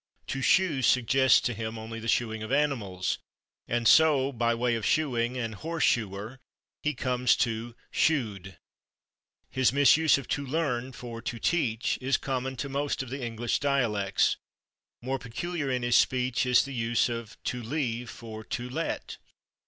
/To shoe/ suggests to him only the shoeing of animals, and so, by way of /shoeing/ and /horse shoer/, he comes to /shoed/. His misuse of /to learn/ for /to teach/ is common to most of the English dialects. More peculiar to his speech is the use of /to leave/ for /to let